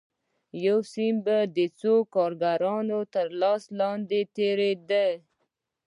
یو سیم به د څو کارګرانو تر لاس لاندې تېرېده